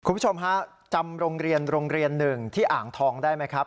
คุณผู้ชมฮะจำโรงเรียนโรงเรียนหนึ่งที่อ่างทองได้ไหมครับ